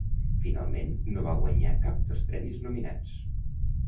Finalment, no va guanyar cap dels premis nominats.